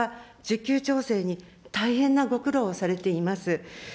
酪農家は需給調整に大変なご苦労をされています。